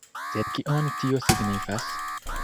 Sed kion tio signifas?